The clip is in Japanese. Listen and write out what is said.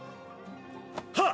はっ！